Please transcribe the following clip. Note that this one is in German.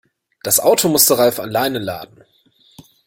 Das Auto musste Ralf alleine laden.